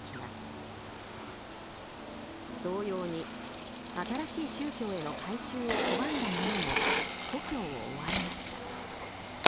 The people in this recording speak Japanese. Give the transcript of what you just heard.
同様に新しい宗教への改宗を拒んだ者も故郷を追われました。